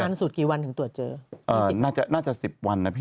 นานสุดกี่วันถึงตรวจเจอน่าจะ๑๐วันนะพี่